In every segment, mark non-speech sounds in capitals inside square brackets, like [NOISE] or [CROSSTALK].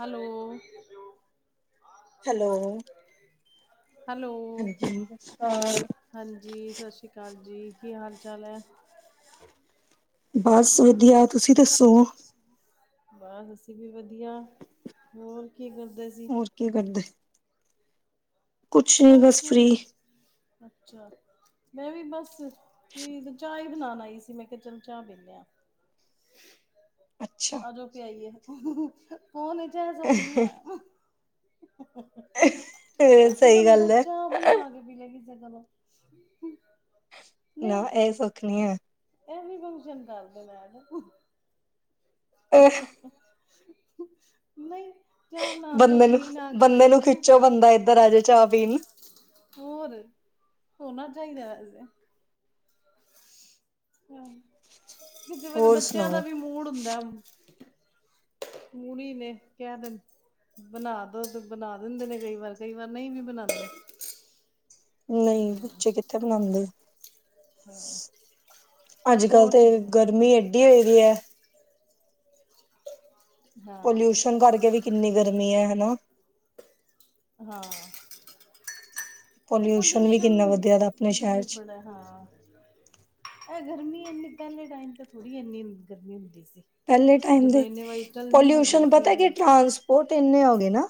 Hello. Hello hello ਹਾਂਜੀ ਸਤਿ ਸ਼੍ਰੀ ਅਕਾਲ। ਹਾਂਜੀ ਸਤਿ ਸ਼੍ਰੀ ਅਕਾਲ ਜੀ ਕੀ ਹਾਲ ਚਾਲ ਐ? ਬਸ ਵਧੀਆ ਤੁਸੀਂ ਦੱਸੋ? ਬਸ ਅਸੀਂ ਵੀ ਵਧੀਆ ਹੋਰ ਕੀ ਕਰਦੇ ਸੀ? ਹੋਰ ਕੀ ਕਰਦੇ? ਕੁਛ ਨੀ ਬੱਸ ਬਸ ਫ੍ਰਰੀ। ਅੱਛਾ ਮੈਂ ਵੀ ਬਸ ਵੀ ਪਲੀਸ ਚਾਹ ਹੀ ਬਣਾਉਣ ਆਈ ਸੀ, ਮੈਂ ਕਿਹਾ ਚਲ ਚਾਹ ਪਿੰਨੇ ਆ। ਅੱਛਾ। ਹੋ ਕੇ ਆਈਏ ਫੋਨ ਇਹ ਸੁਪਨੀ ਆ [UNINTELLIGIBLE] ਇਹ ਸਹੀ ਗੱਲ ਐ। ਮਿਲੇ ਕਿਸੇ ਤੋਂ ਨਾ ਇਹ ਸੁੱਖ ਨਹੀਂ ਹੈ। ਇਹ ਵੀ ਫੰਕਸ਼ਨ ਕਰਦੇ ਨੇ ਆਡ ਅ ਨਹੀਂ ਚਾਹ ਬਣਾਉਣ ਤੇ ਬੰਦੇ ਨੂੰ ਜੀਅ ਨਾ ਕਰੇ। ਬੰਦੇ ਨੂੰ ਖਿੱਚੋ ਬੰਦਾ ਇੱਧਰ ਆ ਜੇ ਚਾਹ ਪੀਣ ਨੂੰ। ਹੋਰ ਹੋਣਾ ਚਾਹੀਦਾ ਵੇਸੇ। ਹਾਂ ਕਿਸੇ ਵੇਲੇ ਹੋਰ ਬੱਚਿਆਂ ਦਾ ਸੁਣਾਓ। ਵੀ ਮੂਡ ਹੁੰਦਾ। ਮੂਲੀ ਨੇ ਕਹਿ ਦੇ ਬਣਾ ਦੋ ਬਣਾ ਦਿੰਦੇ ਨੇ ਕਈ ਵਾਰ ਕਈ ਵਾਰ ਨਹੀਂ ਵੀ ਬਣਾਉਂਦੇ। ਨਹੀਂ ਬੱਚੇ ਕਿੱਥੇ ਬਣਾਉਂਦੇ। ਹਾਂ ਅੱਜ ਕੱਲ ਹੋਰ ਤੇ ਸੁਣਾਓ ਗਰਮੀ ਏਡੀ ਹੋਏ ਦੀ ਐ। ਹਾਂ ਪੋਲਿਊਸ਼ਨ ਕਰਕੇ ਵੀ ਕਿੰਨੀ ਗਰਮੀ ਐ ਹਨਾ। ਹਾਂ ਵੀ ਪੋਲਿਊਸ਼ਨ ਕਿੰਨਾ ਵਧਿਆ ਦਾ ਆਪਣੇ ਸ਼ਹਿਰ ਚ। ਬਲੀਫੜ ਹੈ ਹਾਂ ਇਹ ਗਰਮੀ ਇੰਨੀ ਪਹਿਲੇ ਟਾਈਮ ਤਾਂ ਥੋੜੀ ਇਨੀ ਗਰਮੀ ਹੁੰਦੀ ਸੀ। ਪਹਿਲੇ ਟਾਈਮ ਜਦੋਂ ਦੇ ਇੰਨੇ ਵਹੀਕਲ ਨਹੀਂ ਹੈਗੇ ਪੋਲਿਊਸ਼ਨ ਸੀ ਪਤਾ, ਕੀ ਟਾਂਸ ਉਹ ਤੇ ਇੰਨੇ ਹੋ ਗਏ ਨਾ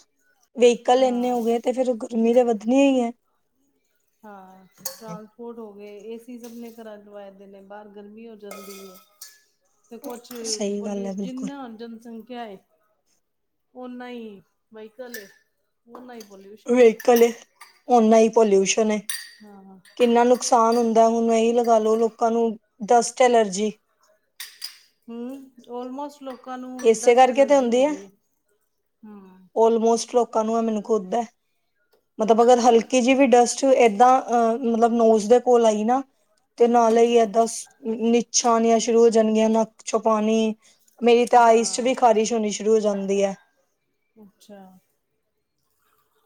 ਵਹੀਕਲ ਇੰਨੇ ਹਾਂ ਹੋ ਗਏ ਤੇ ਫਿਰ ਗਰਮੀ ਤਾਂ ਵਧਣੀ ਹੀ ਐ। ਹਾਂ ਟਰਾਂਸਪੋਰਟ ਹੋ ਗਏ ਏਸੀ ਸਭ ਨੇ ਘਰਾਂ ਲਵਾਏ ਦੇ ਨੇ ਬਾਹਰ ਗਰਮੀ ਹੋ ਜਾਂਦੀ ਐ। [INAUDIBLE] ਤੇ ਕੁਛ ਸਹੀ ਗੱਲ ਹੈ ਪੁਲਿਸ ਬਿਲਕੁਲ ਜਿੰਨਾ ਜਨਸੰਖਿਆ ਹੈ ਓਨਾ ਹੀ ਵਾਈਕਲ ਏ। ਹੁਣ ਨਾਈਟ [UNINTELLIGIBLE] ਵਹੀਕਲ ਏ ਓਨਾ ਹੀ ਪੋਲਿਊਸ਼ਨ ਏ। ਹਾਂ। ਕਿੰਨਾ ਨੁਕਸਾਨ ਹੁੰਦਾ ਹੁਣ ਇਹੀ ਲਗਾ ਲੋ ਲੋਕਾਂ ਨੂੰ ਡਸਟ ਐਲਰਜੀ। ਹੂ ਓਲਮੋਸਟ ਲੋਕਾਂ ਨੂੰ ਇਸੇ ਡਸਟ ਕਰਕੇ ਤੇ ਐਲਰਜੀ ਹੁੰਦੀ ਹੈਗੀ ਏ ਹੂ। ਮੋਸਟ ਲੋ [UNINTELLIGIBLE] ਮਤਲਬ ਅਗਰ ਅੱਛਾ। ਹਲਕੀ ਜਿਹੀ ਵੀ ਡਸਟ ਏਦਾਂ ਅ ਮਤਲਬ ਨੋਜ ਦੇ ਕੋਲ ਆਈ ਨਾ ਤੇ ਨਾਲ ਹੂੰ-ਹੂੰ, ਹੀ ਏਦਾਂ ਨਿੱਛਾ ਆਨੀਆਂ ਸ਼ੁਰੂ ਹੋ ਜਾਣਗੀਆਂ ਨੱਕ ਚੋ ਪਾਣੀ ਮੇਰੀ ਤੇ ਆਈਸ ਹਾਂ, ਵੀ ਖਾਰਿਸ਼ ਹੋਣੀ ਸ਼ੁਰੂ ਹੋ ਜਾਂਦੀ ਐ। ਅੱਛਾ।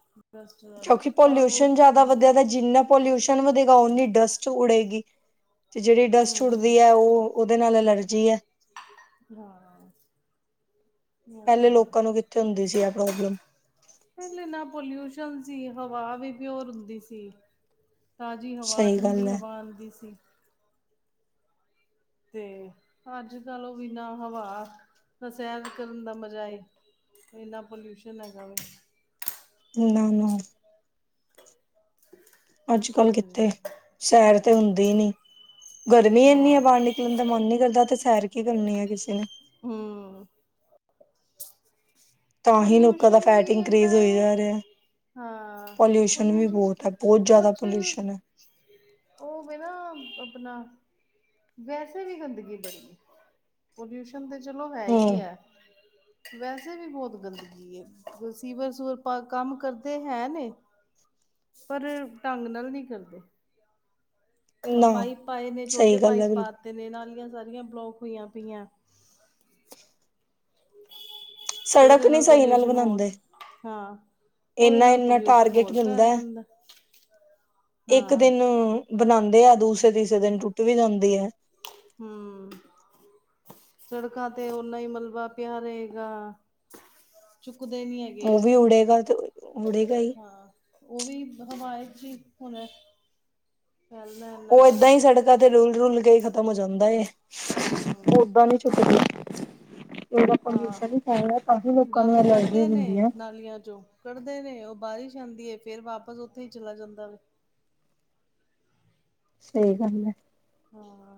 [UNINTELLIGIBLE] ਕਿਉਂਕਿ ਆਹੋ, ਪੋਲਿਊਸ਼ਨ ਜ਼ਿਆਦਾ ਹੂੰ-ਹੂੰ, ਵਧਿਆ ਦਾ ਜਿੰਨਾ ਪੋਲਿਊਸ਼ਨ ਵਧੇਗਾ, ਓਨੀ ਡਸਟ ਉੱਡੇਗੀ ਤੇ ਜਿਹੜੀ ਡਸਟ ਉੱਡਦੀ ਏ ਉਹ ਉਹਦੇ ਨਾਲ ਐਲਰਜੀ ਐ। ਹਾਂ, ਨਈ ਓ ਤੇ ਪਹਿਲੇ ਹੈ ਈ ਐ ਲੋਕਾਂ ਨੂੰ ਕਿੱਥੇ ਹੁੰਦੀ ਸੀ ਆ ਪ੍ਰੋਬਲਮ ਪਹਿਲੇ ਨਾ ਪੋਲਿਊਸ਼ਨ ਸੀ, ਹਵਾ ਵੀ ਪਿਓਰ ਹੁੰਦੀ ਸੀ। ਤਾਜ਼ੀ ਹਵਾ, ਸਹੀ ਗੱਲ ਠੰਡੀ ਹੈ ਹਵਾ ਆਉਂਦੀ ਸੀ। ਤੇ ਅੱਜ ਕੱਲ ਉਹ ਬਿਨਾਂ ਹਵਾ ਦਾ ਸੈਰ ਕਰਨ ਦਾ ਮਜ਼ਾ ਏ। ਇੰਨਾ ਪੋਲਿਊਸ਼ਨ ਹੈਗਾ ਵਾ। ਨਾ ਨਾ। ਅੱਜ ਕੀ ਕੱਲ ਕਰੇ ਕਿੱਥੇ ਬੰਦਾ। ਸੈਰ ਤੇ ਹੁੰਦੀ ਹੀ ਨੀ, ਗਰਮੀ ਏਨੀ ਏ ਹਾਂ ਬਾਹਰ ਨਿਕਲਣ ਦਾ ਮਨ ਨੀ ਕਰਦਾ ਤੇ ਸੈਰ ਕੀ ਕਰਨੀ ਐ ਕਿਸੇ ਨੇ ਹੂ ਤਾਂ ਹੀ ਲੋਕਾਂ ਦਾ ਪੋਲਿਊਸ਼ਨ ਵੀ ਫੈਟ ਇੰਨਾ ਇਨਕਰੀਜ਼ ਹੋਈ ਏ ਜਾ ਰਿਹਾ ਹਾਂ, ਵੀ ਪੋਲਿਊਸ਼ਨ ਬਹੁਤ ਹੈ ਬਹੁਤ ਕੁਝ ਜ਼ਿਆਦਾ ਪੋਲਿਊਸ਼ਨ ਹੈ ਉਹ ਵੇ ਨਾ ਆਪਣਾ ਵੈਸੇ ਵੀ ਗੰਦਗੀ ਬੜੀ ਐ, ਪੋਲਿਊਸ਼ਨ ਤਾਂ ਚਲੋ ਹੈ ਹੀ ਹਮ ਐ। ਵੈਸੇ ਵੀ ਬਹੁਤ ਗੰਦਗੀ ਏ, ਸੀਵਰ ਸਾਵਰ ਕੰਮ ਕਰਦੇ ਹੈ ਨੀ। ਪਰ ਢੰਗ ਨਾਲ ਨੀ ਕਰਦੇ। ਨਾ ਪਾਈਪ ਪਾਏ ਨੇ ਸਹੀ ਛੋਟੇ ਗੱਲ ਪਾਈਪ ਹੈ ਬਿਲਕੁਲ ਪਾਤੇ ਨੇ ਨਾਲੀਆਂ ਸਾਰੀਆਂ ਬਲੋਕ ਹੋਈਆਂ ਪਈਆਂ। ਤੇ ਸੜਕ ਉਹਦੇ ਨੀ ਨਾਲ ਸਹੀ ਪੋਲਿਊਸ਼ਨ ਹੋਰ, ਬਣਾਉਂਦੇ ਹਾਂ ਉਹਦੇ ਇੰਨਾ ਨਾਲ ਇੰਨਾ ਪੋਲਿਊਸ਼ਨ ਟਾਰਗੇਟ ਹੋਰ ਮਿਲਦਾ ਫੈਲ ਹੈ ਜਾਂਦਾ। ਇੱਕ ਹਾਂ ਦਿਨ ਬਣਾਉਂਦੇ ਆ ਦੂਸਰੇ ਤੀਸਰੇ ਦਿਨ ਟੁੱਟ ਵੀ ਜਾਂਦੀ ਐ। ਹੂ ਸੜਕਾਂ ਤੇ ਓਨਾ ਹੀ ਮਲਬਾ ਪਿਆ ਰਹੇਗਾ, ਚੁੱਕਦੇ ਨੀ ਹੈਗੇ। ਉਹ ਵੀ ਉੜੇਗਾ ਤੇ ਉੜੇਗਾ ਹੀ। ਹਾਂ, ਉਹ ਵੀ ਹਵਾ ਚ ਹੀ ਹੁਣ ਫੈਲਦਾ ਇੰਨਾ ਉਹ ਏਦਾਂ ਗੰਦ ਹੀ ਸੜਕਾਂ ਤੇ ਰੁਲ ਰੁਲ ਕੇ ਖ਼ਤਮ ਹੋ ਜਾਂਦਾ ਏ, ਉਹ ਹਮ ਓਦਾਂ ਨੀ ਹਾਂ ਚੁੱਕਦੇ। ਇਹਦਾ ਆਹ ਪੋਲਿਊਸ਼ਨ ਈ ਫੈਲਦਾ ਤਾਂ ਹੀ ਲੋਕਾਂ ਨੂੰ ਗੰਦ ਐਲਰਜੀ ਕੱਢਦੇ ਹੁੰਦੀ ਨੇ ਐ। ਨਾਲੀਆਂ ਚੋ ਕੱਢਦੇ ਨੇ ਉਹ ਬਾਰਿਸ਼ ਆਂਦੀ ਏ ਫੇਰ ਵਾਪਸ ਉੱਥੇ ਹੀ ਚਲਾ ਜਾਂਦਾ ਵਾ। ਸਹੀ ਗੱਲ ਐ। ਹਾਂ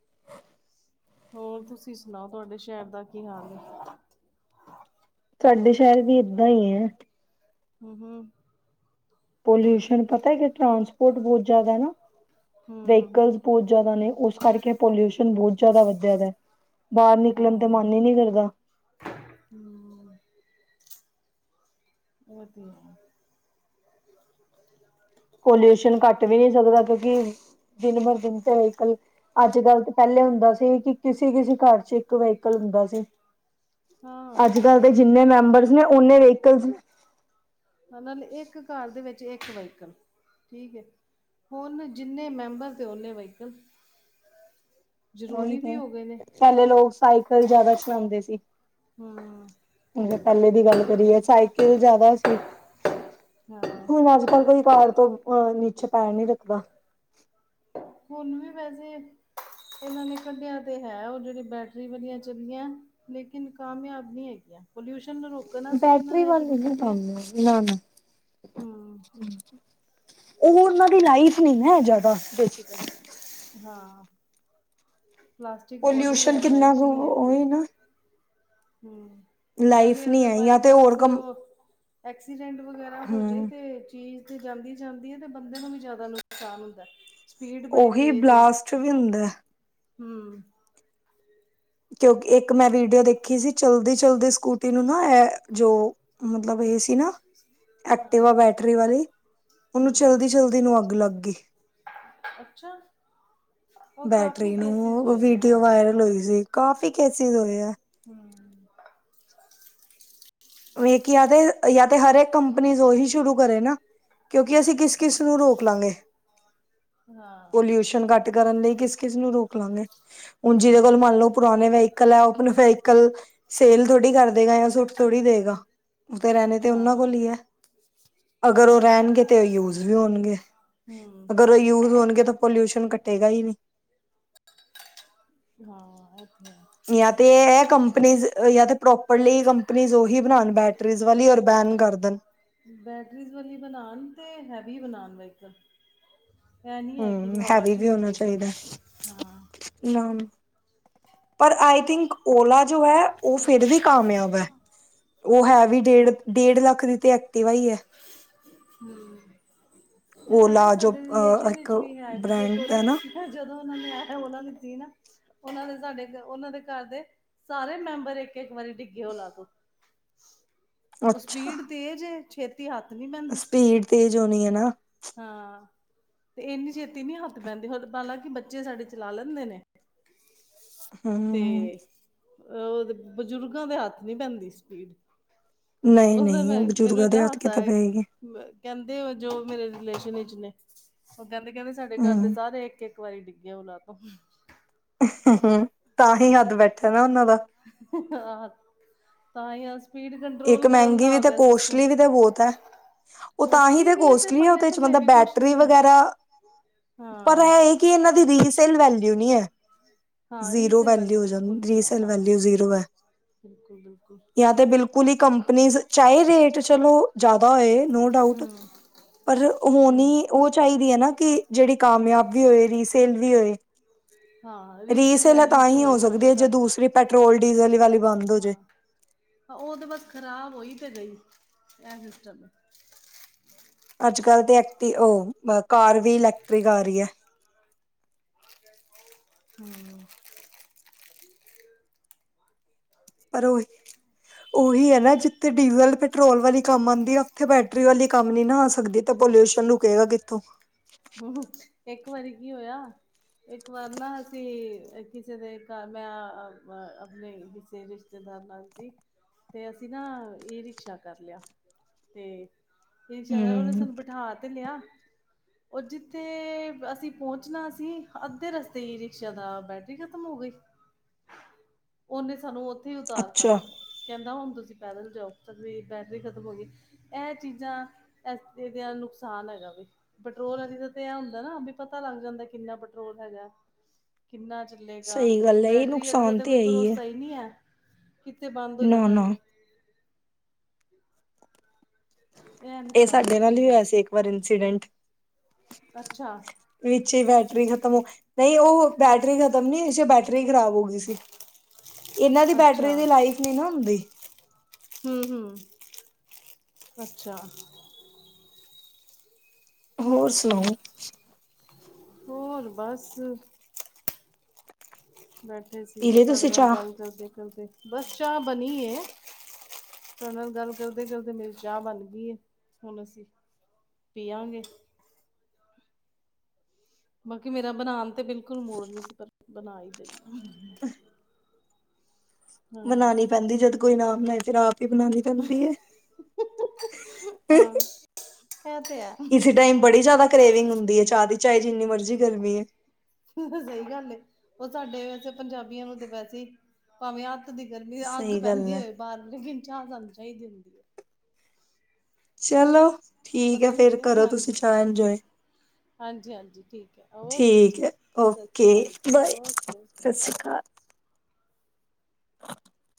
[UNINTELLIGIBLE] ਹੋਰ ਤੁਸੀਂ ਸੁਣਾਓ, ਤੁਹਾਡੇ ਸ਼ਹਿਰ ਦਾ ਕੀ ਹਾਲ ਐ? ਤੁਹਾਡੇ ਸ਼ਹਿਰ ਵੀ ਏਦਾਂ ਹੀ ਹੈ ਹੂੰ ਹੂੰ ਪੋਲਿਊਸ਼ਨ ਪਤਾ ਹੈ ਕਿ ਟਰਾਂਸਪੋਰਟ ਬਹੁਤ ਜ਼ਿਆਦਾ ਏ ਨਾ, ਹਮ ਵਹੀਕਲ ਬਹੁਤ ਜਿਆਦਾ ਨੇ ਉਸ ਕਰਕੇ ਪੋਲਿਊਸ਼ਨ ਬਹੁਤ ਜਿਆਦਾ ਵੱਧਿਆ ਦਾ ਬਾਹਰ ਨਿਕਲਣ ਤੇ ਹਾਂ। ਮਨ ਹੀ ਨੀ ਕਰਦਾ ਹੂੰ ਉਹ ਤੇ ਹੈ ਈ ਏ [UNINTELLIGIBLE] ਪੋਲਿਊਸ਼ਨ ਘੱਟ ਵੀ ਨਹੀਂ ਸਕਦਾ ਕਿਉਂਕਿ ਦਿਨ ਬਰ ਦਿਨ ਤੇ ਵੀਕਲ ਅੱਜ ਕੱਲ ਤਾਂ ਪਹਿਲੇ ਹੁੰਦਾ ਸੀ ਕਿ ਕਿਸੇ ਕਿਸੇ ਘਰ ਚ ਇੱਕ ਵਹੀਕਲ ਹੁੰਦਾ ਸੀ ਅੱਜ ਕੱਲ੍ਹ ਦੇ ਜਿੰਨੇ ਮੈਂਬਰਸ ਨੇ ਓਨੇ ਵਹੀਕਲ ਨਾਲੇ ਇੱਕ ਕਾਰ ਦੇ ਵਿੱਚ ਇੱਕ ਵਹੀਕਲ ਠੀਕ ਹੈ ਹੁਣ ਜਿੰਨੇ ਮੈਂਬਰ ਅਤੇ ਓਨੇ ਵਹੀਕਲ ਉਹੀ ਜ਼ਰੂਰੀ ਵੀ ਤੇ ਹੋ ਗਏ ਨੇ। ਪਹਿਲੇ ਲੋਕ ਸਾਈਕਲ ਜਿਆਦਾ ਚਲਾਉਂਦੇ ਸੀ ਹਾਂ, ਪਹਿਲੇ ਦੀ ਗੱਲ ਕਰੀਏ ਸਾਈਕਲ ਜਿਆਦਾ ਸੀ। ਹਾਂ, ਹੁਣ ਅੱਜ-ਕੱਲ ਕੋਈ ਕਾਰ ਤੋਂ ਅਹ ਨੀਚੇ ਪੈਣ ਨੀ ਰੱਖਦਾ। ਹੁਣ ਵੀ ਵੈਸੇ ਇਹਨਾਂ ਨੇ ਕੱਢਿਆ ਤੇ ਹੈ, ਉਹ ਜਿਹੜੀ ਬੈਟਰੀ ਵਧਆ ਚੱਲੀਆਂ। ਲੇਕਿਨ ਕਾਮਯਾਬੀ ਹੈਗੀਆਂ, ਪੋਲਿਊਸ਼ਨ ਨੂੰ ਰੋਕ ਬੈਟਰੀ ਵੱਲ ਨਾ ਤੁਹਾਨੂੰ ਨਾ ਨਾ ਹੂੰ। ਉਹ ਉਹਨਾਂ ਦੀ ਲਾਈਫ ਨਹੀਂ ਨਾਂ ਜ਼ਿਆਦਾ ਬੇ ਸੀ ਕਲੀ ਹਾਂ ਪਲਾਸਟਿਕ ਬੋਡੀ ਪੋਲਿਊਸ਼ਨ ਹੈ, ਕਿੰਨਾ ਲਾਈਸ਼ ਕੁ ਨਹੀਂ ਹੈ ਉਹੀ ਕੋਈ ਨਾ ਹੂੰ, ਲਾਈਫ ਨਾਲੇ ਨੀ ਅਗਰ ਹੈ ਬਾਈ ਜਾਂ ਤੇ ਹੋਰ ਚਾਂਸ ਕੰਮ ਐਕਸੀਡੈਂਟ ਵਗੈਰਾ ਹੋਜੇ ਹਮ ਤੇ, ਚੀਜ਼ ਤੇ ਜਾਂਦੀ ਜਾਂਦੀ ਹੈ, ਤੇ ਬੰਦੇ ਨੂੰ ਵੀ ਜ਼ਿਆਦਾ ਨੁਕਸਾਨ ਹੁੰਦਾ। ਸਪੀਡ ਬੜੀ ਉਹੀ ਬਲਾਸਟ ਵੀ ਹੁੰਦਾ। ਹੂੰ, ਕਿਉਂਕਿ ਇੱਕ ਮੈਂ ਵੀਡੀਓ ਦੇਖੀ ਸੀ, ਚਲਦੀ-ਚਲਦੀ ਸਕੂਟੀ ਨੂੰ ਨਾ ਇਹ ਜੋ ਮਤਲਬ ਇਹ ਨਾ ਹਾਂ ਐਕਟਿਵਾ ਆ ਬੈਟਰੀ ਵਾਲੀ, ਉਹਨੂੰ ਹਮ ਚਲਦੀ ਚਲਦੀ ਨੂੰ ਅੱਗ ਲੱਗ ਗਈ। ਅੱਛਾ, ਉਹ ਕਾਫੀ ਬੈਟਰੀ ਕੇਸਿਸ ਨੂੰ ਹੋਏ ਨੇ ਵੀਡੀਓ ਹਾਂ। ਵਾਇਰਲ ਹੋਈ ਸੀ, ਕਾਫੀ ਕੇਸਿਸ ਹੋਏ ਆ। ਹੂੰ, ਵੀੇ ਕਿ ਜਾ ਤੇ ਜਾ ਤੇ ਹਰੇਕ ਕੰਪਨੀ ਉਹੀ ਸ਼ੁਰੂ ਕਰੇ ਨਾ। ਕਿਉਂਕਿ ਅਸੀਂ ਕਿਸ ਕਿਸ ਨੂੰ ਰੋਕ ਲਾਂਗੇ। ਹਾਂ, ਪੋਲਿਊਸ਼ਨ ਘੱਟ ਕਰਨ ਲਈ ਕਿਸ-ਕਿਸ ਨੂੰ ਰੋਕ ਲਾਂਗੇ ਹੁਣ ਜਿਹਦੇ ਕੋਲ ਹਮ ਮੰਨ ਲਓ, ਪੁਰਾਣੇ ਵਹੀਕਲ ਹੈ, ਓਪਨ ਵਹੀਕਲ ਸੇਲ ਥੋੜ੍ਹੀ ਕਰ ਦੇਗਾ, ਜਾਂ ਸੁੱਟ ਥੋੜੀ ਦੇਗਾ, ਤੇ ਰਹਿਣੇ ਤੇ ਉਹਨਾਂ ਹਾਂ ਕੋਲ ਹੀ ਹੈ। ਅਗਰ ਉਹ ਹਾਂ ਰਹਿਣਗੇ, ਤਾਂ ਉਹ ਯੂਜ ਵੀ ਹੋਣਗੇ, ਹਮ ਅਗਰ ਉਹ ਯੂਜ ਹੋਣਗੇ ਤਾਂ। ਪੋਲਿਊਸ਼ਨ ਕੱਟੇਗਾ ਹੀ ਨਹੀਂ, ਹਾਂ ਇ ਤੇ ਇਹ ਕੰਪਨੀ ਜਾਂ ਤੇ ਪ੍ਰੋਪਰਲੀ ਕੰਪਨੀਜ਼ ਉਹੀ ਬਣਾਉਣ ਬੈਟਰੀ ਵਾਲੀ ਔਰ ਬੈਨ ਕਰ ਦੇਣ। ਬੈਟਰੀ ਵਾਲੀ ਬਣਾਉਣ ਤੇ ਹੈਵੀ ਬਣਾਉਣ ਵਕਲ ਇਹ ਨੀ ਹੈ ਕਿ ਹਮ ਹਵਾ, ਹੈਵੀ ਚ ਹੀ ਵੀ ਹੋਣਾ ਉੱਡਦੀ ਪਈ ਚਾਹੀਦਾ ਹੈ ਹਾਂ। ਨਾ ਪਰ ਆਈ ਥਿੰਕ ਓਲਾ ਜੋ ਹੈ ਉਹ ਫੇਰ ਵੀ ਕਾਮਯਾਬ ਹੈ, ਉਹ ਹੈ ਵੀ ਡੇਢ-ਡੇਢ ਲੱਖ ਦੀ। ਤੇ ਐਕਟਿਵਾ ਹੀ ਹੈ। ਹੈ ਓਲਾ ਜੋ ਸਾਡੇ ਅ ਰਿਲੇਸ਼ਨ ਇੱਕ ਵਿਚ ਵੀ ਹੈ, ਕਿਸੇ ਬ੍ਰੈਂਡ ਕੋਲ ਹੈ ਨਾ ਵੀ ਜਦੋਂ ਉਹਨਾਂ ਨੇ ਆ ਉਹਲਾ ਦਿੱਤੀ ਨਾ, ਔਨਾਂ ਦੇ ਸਾਡੇ ਔਨਾ ਦੇ ਘਰ ਦੇ ਸਾਰੇ ਮੈਂਬਰ ਏਕ-ਏਕ ਵਾਰੀ ਡਿੱਗੇ ਔਲਾ ਤੋ। ਔ ਅੱਛਾ ਸਪੀਡ ਤੇਜ਼ ਐ, ਛੇਤ ਤੀ ਹੱਥ ਨੀ ਮੈਂ ਸਪੀਡ ਤੇਜ ਹੋਣੀ ਏ ਨਾ। ਹਾਂ, ਤੇ ਏਨੀ ਛੇਤੀ ਨੀ ਹੱਥ ਬੈੰਦੀ ਹੋਂ, ਬਾਲਾਂ ਕਿ ਬੱਚੇ ਸਾਡੇ ਚਲਾ ਲੈਂਦੇ ਨੇ। ਤੇ ਹਮ ਅਹਦੇ ਬਜ਼ੁਰਗਾਂ ਦੇ ਹੱਥ ਨੀ ਪੈਦੀ ਸਪੀਡ। ਨਹੀਂ ਔ ਫੇਰ ਨਹੀਂ ਮੈਂ ਮੈਨੂੰ ਬਜ਼ੁਰਗਾਂ ਏਡਾ ਦੇ ਹੱਥ ਹਾਸਾ ਕਿਤੇ ਆਏ। ਪਏਗੀ ਵ ਕੈੰਦੇ ਜੋ ਮੇਰੇ ਰਿਲੇਸ਼ਨ ਵਿਚ ਨੇ, ਓਹ ਕੈੰਦੇ ਕੈੰਦੇ ਸਾਡੇ ਘਰ ਦੇ ਹਮ ਸਾਰੇ ਏਕ-ਏਕ ਇੱਕ ਵਾਰੀ ਡਿੱਗੇ ਆ ਔਲਾ ਤੋ। ਤਾਂ ਹੀ ਹੱਦ ਬੈਠਾ ਨਾ ਔਨਾਂ ਦਾ। ਆਹ ਤਾਂ ਹੀ ਆ ਸਪੀਡ ਇੱਕ ਕੰਟਰੋਲ ਕਰਨ ਮਹਿੰਗੀ ਦਾ ਵੀ ਆ ਤੇ ਗਿਆ ਸਿਸਟਮ ਕੋਸਟਲੀ ਵੀ ਤੇ ਬਹੁਤ ਹੈ ਉਹ ਤਾਂ ਹੀ ਕੋਸਟਲੀ ਵੀ ਐ ਤੇ ਕੋਸਟਲੀ ਹੈ ਪੱਲੇ ਉਹਦੇ ਚ ਥੱਲੇ ਮਤਲਬ ਵੀ ਕੁਛ ਬੈਟਰੀ ਨੀ ਹੈ ਵਗੈਰਾ ਹਾਂ। ਕੀ ਏਨਾਂ ਦੀ ਰੀ-ਸੇਲ ਵੈਲਿਊ ਨੀ ਹੈ। ਹਾਂ ਜ਼ੀਰੋ ਰੀਸੇਲ ਵਾਲੀ ਵੈਲਿਊ ਹੋ ਜਾਂਦ ਰੀ-ਸੇਲ ਵੈਲਿਊ ਜ਼ੀਰੋ ਐ। ਬਿਲਕੁਲ-ਬਿਲਕੁਲ ਕੂਲੀ ਕੰਪਨੀਸ ਚਾਹੇ ਰੇਟ ਚਲੋ, ਜਿਆਦਾ ਹੋਏ ਨੋ ਡਾਊਟ ਹਮ ਪਰ ਹਮ ਹੋਣੀ ਓਹ ਚਾਹੀਦੀ, ਐ ਨਾ ਕਿ ਜੇੜੀ ਕਾਮਯਾਬ ਵੀ ਹੋਏ, ਰੀਸੇਲ ਵੀ ਹੋਏ। ਹਾਂ ਰੀਸੇਲ ਹੈ ਵੈਲਿਊ ਤੇ ਤਾਂਹੀ ਹੋ ਹੋਏ ਸਕਦੀ ਘੱਟੋ ਹੈ ਜੇ ਘੱਟ ਦੂਸਰੀ ਪੈਟਰੋਲ ਡੀਜ਼ਲ ਵਾਲੀ ਬੰਦ ਹੋ ਜੇ ਹਾਂ ਔ ਤੇ ਬਸ ਖ਼ਰਾਬ ਹੋਈ ਤੇ ਗਈ ਐਹ ਸਿਸਟਮ ਏ‌‌। ਅੱਜ-ਕੱਲ ਤੇ ਐਕਟੀ ਓਹ ਬਾ ਕਾਰ ਵੀ ਇਲੈਕਟ੍ਰਿਕ ਆ ਰੀ ਐ। ਹੂੰ ਪਰ ਓਹੀ- ਓਹੀ ਹੈ ਨਾ ਜਿੱਥੇ ਡੀਜ਼ਲ ਪੈਟਰੋਲ ਵਾਲੀ ਕੰਮ ਆਂਦੀ ਆ। ਉਥੇ ਬੈਟਰੀ ਵਾਲੀ ਕੰਮ ਨੀ ਨਾ ਆ ਸਕਦੀ ਤੇ ਪੋਲਿਊਸ਼ਨ ਰੁਕੇਗਾ ਕਿੱਥੋਂ। ਉਹੋ ਏਕ ਵਾਰੀ ਕੀ ਹੋਇਆ। ਇੱਕ ਵਾਰ ਨਾ ਅਸੀ ਕਿਸੇ ਦੇ ਘਰ ਮੈਂ ਅ ਅਪਣੇ ਕਿਸ਼ੇ ਰਿਸ਼ਤੇ ਤੇ ਦਾਰ [UNINTELLIGIBLE] ਨਾਲ ਸੀ ਤੇ ਅਸੀਂ ਨਾ ਈ ਰਿਕਸ਼ਾ ਕਰ ਲਿਆ ਤੇ [UNINTELLIGIBLE] ਉਹਨੇ ਹਮ ਸਾਨੂੰ ਬਿਠਾ ਤੇ ਲਿਆ। ਓਹ ਜਿੱਥੇ ਅਸੀਂ ਪਹੁੰਚਣਾ ਸੀ ਅੱਧੇ ਰਸਤੇ ਹੀ ਈ-ਰਿਕਸ਼ਾ ਦਾ ਬੈਟਰੀ ਖ਼ਤਮ ਹੋ ਗਈ। ਉਨੇ ਸਾਨੂੰ ਉਥੇ ਹੀ ਉਤਾਰਤਾ। ਅੱਛਾ ਕਹਿੰਦਾ ਹੁਣ ਤੁਸੀ ਪੈਦਲ ਜਾਓ 'ਚ ਰੀ ਬੈਟਰੀ ਖ਼ਤਮ ਹੋਗੀ ਐਹ ਚੀਜ਼ਾਂ ਐਸ ਦੇ ਦੇ ਆ ਨੁਕਸਾਨ ਹੈਗਾ ਵੇ। ਪੈਟਰੋਲ ਆਲੀ ਦਾ ਤੇ ਐ ਹੁੰਦਾ ਨਾ ਬਈ ਪਤਾ ਲੱਗ ਜਾਂਦਾ ਕਿੰਨਾ ਪੈਟਰੋਲ ਹੈਗਾ ਕਿੰਨਾ 'ਚ ਚਲੇਗਾ ਸਹੀ ਗੱਲ ਹੈ ਇਹ ਬੈਟਰੀ ਆਲੇ ਦਾ ਨੁਕਸਾਨ ਤਾਂ ਕੋਈ ਤੇ ਹੈ ਭਰੋਸਾ ਹੀ ਨੀ ਹੈ ਕਿੱਥੇ ਬੰਦ ਹੋ ਨਾ ਜਾਂਣੈ ਨਾ ਐਨੇ। ਇਹ ਏਹ ਨੁਕਸਾਨ ਸਾਡੇ ਹੈਗੇ ਨਾਲ ਨੇ ਹੀ ਹੋਇਆ ਬਸ ਸੀ ਇੱਕ ਵਾਰ ਇੰਸੀਡੈਂਟ। ਅੱਛਾ ਵਿੱਚ ਹੀ ਬੈਟਰੀ ਖਤਮ ਹੋ ਨਹੀਂ ਓਹ ਬੈਟਰੀ ਖ਼ਤਮ ਨੀ ਹੋਈ ਸੀ ਓਹ ਬੈਟਰੀ ਹੀ ਖ਼ਰਾਬ ਹੋ ਗੀ ਸੀ। [INAUDIBLE] ਏਨਾਂ ਦੀ ਬੈਟਰੀ ਦੀ ਲਾਈਫ ਨੀ ਨਾ ਹੁੰਦੀ। [INAUDIBLE] ਹੂੰ- ਹੂੰ ਅੱਛਾ। ਹੋਰ ਸੁਣਾਓ। ਹੋਰ ਬਸ ਬੈਠੇ ਸੀ ਪੀ ਲਈ ਤਵਾਡੇ ਤੁਸੀਂ ਨਾਲ ਚਾਹ ਗੱਲ ਕਰਦੇ-ਕਰਦੇ ਬਸ ਚਾਹ ਬਣੀ ਏ। ਤੁਹਾਣੇ ਨਾਲ ਗੱਲ ਕਰਦੇ-ਕਰਦੇ ਮੇਰੀ ਚਾਹ ਬਣ ਗਈ ਏ ਹੁਣ ਅਸੀਂ ਪੀਆਂਗੇ। ਬਾਕੀ ਮੇਰਾ ਬਣਾਣ ਤੇ ਬਿਲਕੁਲ ਮੂੜ ਨੀ ਸੀ ਪਰ ਬਣਾ ਈ ਲਈ। ਹਾਂ ਮਨਾਣੀ ਪੈਂਦੀ ਜਦ ਕੋਈ ਨਾ ਬਣਾਏ ਫਿਰ ਆਪ ਹੀ ਬਨਾਣੀ ਪੈਂਦੀ ਏ। [INAUDIBLE] ਹਾਂ ਐ ਤੇ ਹੈ। ਕਰਰੇੇਵਿੰ ਹੁੰਦੀ ਹੈ ਚਾਹ ਦੀ ਚਾਏ ਜਿੰਨੀ ਮਰਜ਼ੀ ਗਰਮੀ ਹੈ। [INAUDIBLE] ਸਹੀ ਗੱਲ ਉਹ ਸਾਡੇ ਵੈਸੇ ਪੰਜਾਬੀਆਂ ਨੂੰ ਤੇ ਵੈਸੇ ਹੀ ਭਾਵੇਂ ਹ ਅੱਤ ਦੀ ਗਰਮੀ ਅੱਗ ਸਹੀ ਗੱਲ ਪੈਂਦੀ ਹੈ ਹੋਏ ਬਾਹਰ ਲੇਕਿਨ ਚਾਹ ਸਾਨੂੰ ਚਾਹੀਦੀ ਹੈ। ਚਲੋ ਠੀਕ ਹੈ ਪਤਾ ਨੀ ਫਿਰ ਕਿ ਕਰੋ ਤੁਸੀਂ ਹਾਂਜੀ ਚਾਹ ਇੰਜੋਏ। ਹਾਂਜੀ ਹਾਂਜੀ ਠੀਕ ਹੈ ਓਕੇ ਜੀ ਠੀਕ ਹੈ ਸਤਿ ਸ਼੍ਰੀ ਓਕੇ ਅਕਾਲ ਜੀ ਬਾਏ ਓਕੇ ਸਤਿ ਓਕੇ ਸ੍ਰੀ ਅਕਾਲ। [INAUDIBLE]